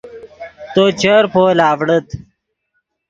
تو چر پول آڤڑیت